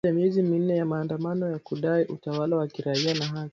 Wakati wa zaidi ya miezi minne ya maandamano ya kudai utawala wa kiraia na haki.